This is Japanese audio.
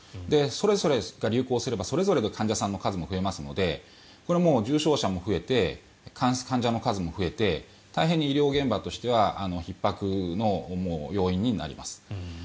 それぞれが流行すればそれぞれの患者さんの数も増えますのでこれは重症者も増えて患者の数も増えて大変、医療現場としてはひっ迫の要因になります。